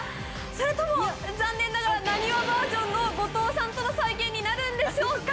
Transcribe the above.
それとも残念ながらなにわバージョンの後藤さんとの再現になるんでしょうか？